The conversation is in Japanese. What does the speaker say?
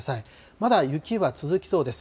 まだ雪は続きそうです。